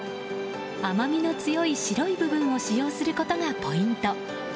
甘みの強い白い部分を使用することがポイント。